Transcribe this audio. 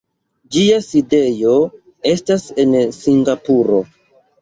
Ĝia sidejo estas en Singapuro.